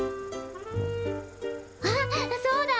あっそうだ！